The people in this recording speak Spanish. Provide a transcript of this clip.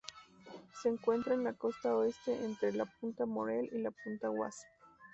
Se encuentra en la costa oeste entre la punta Morrell y la punta Wasp.